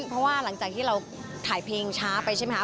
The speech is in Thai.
เพราะว่าหลังจากที่เราถ่ายเพลงช้าไปใช่ไหมคะ